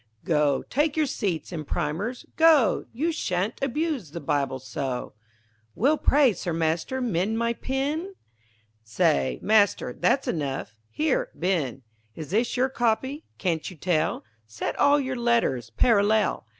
_ Go, take your seats and primers, go, You sha'n't abuse the Bible so. Will pray Sir Master mend my pen? Say, Master, that's enough. Here Ben, Is this your copy? Can't you tell? Set all your letters parallel.